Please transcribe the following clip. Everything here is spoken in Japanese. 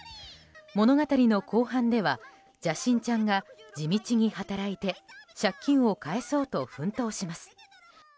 物語の後半では邪神ちゃんが地道に働いて借金を返そうと奮闘します。